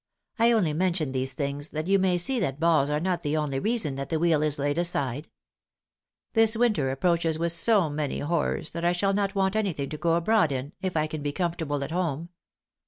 I only mention these things that you may see that balls are not the only reason that the wheel is laid aside.. .. This winter approaches with so many horrors that I shall not want anything to go abroad in, if I can be comfortable at home.